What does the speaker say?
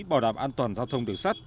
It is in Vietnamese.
bảo đảm an toàn giao thông đường sắt